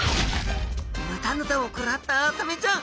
ヌタヌタをくらったサメちゃん。